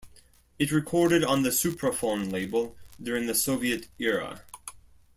It recorded on the Supraphon label during the Soviet era.